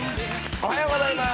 おはようございます。